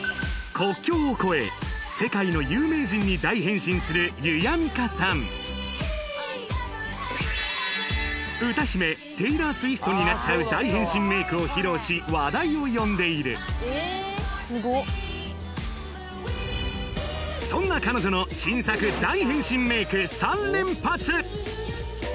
国境を越え世界の有名人に大変身するＹＵＹＡＭＩＫＡさん歌姫テイラー・スウィフトになっちゃう大変身メイクを披露し話題を呼んでいるそんな彼女の新作大変身メイク３連発！